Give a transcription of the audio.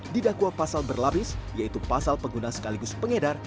didakwa pasal berlapis yaitu pasal pengguna sekaligus pengedar